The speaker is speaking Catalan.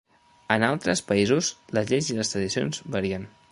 En altres països les lleis i les tradicions varien.